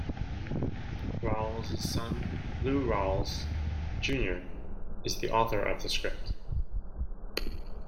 Rawls' son, Lou Rawls, Junior is the author of the script.